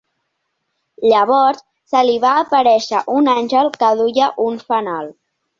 Llavors, se li va aparèixer un àngel que duia un fanal.